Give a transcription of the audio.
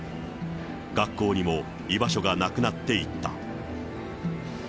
学校にも居場所がなくなっていった。